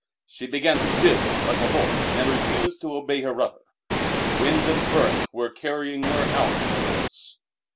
She began to jib like a horse and refused to obey her rudder. Wind and current were carrying her out of her course.